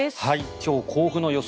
今日、甲府の予想